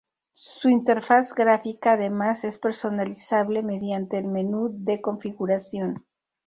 Su interfaz gráfica, además, es personalizable mediante el menú de configuración.